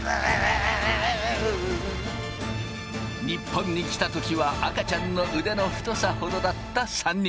日本に来た時は赤ちゃんの腕の太さほどだった３人。